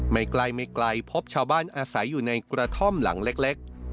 ไม่ใกล้ไม่ไกลพบชาวบ้านอาศัยอยู่ในกระท่อมหลังเล็ก